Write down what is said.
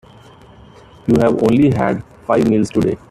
You've only had five meals today.